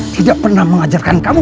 tidak pernah mengajarkan kamu